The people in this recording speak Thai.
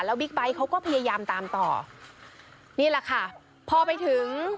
บิ๊กไบท์เขาก็พยายามตามต่อนี่แหละค่ะพอไปถึง